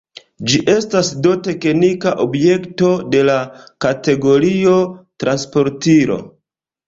Ĝi estas do teknika objekto, de la kategorio «transportilo».